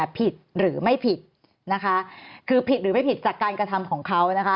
ผิดหรือไม่ผิดนะคะคือผิดหรือไม่ผิดจากการกระทำของเขานะคะ